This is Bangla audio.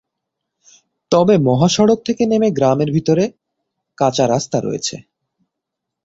তবে মহাসড়ক থেকে নেমে গ্রামের ভিতরে কাঁচা রাস্তা রয়েছে।